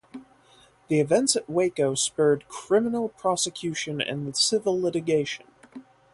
The events at Waco spurred criminal prosecution and civil litigation.